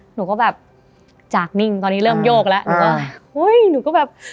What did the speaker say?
หนูก็แบบจากนิ่งตอนนี้เริ่มโยกแล้วหนูก็อุ้ยหนูก็แบบ